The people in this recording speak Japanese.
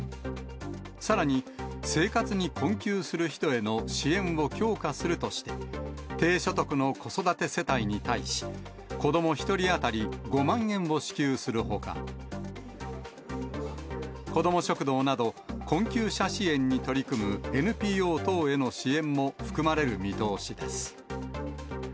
さらに生活に困窮する人への支援を強化するとして、低所得の子育て世帯に対し、子ども１人当たり５万円を支給するほか、子ども食堂など、困窮者支援に取り組むＮＰＯ等への支援も含まれる見通しです。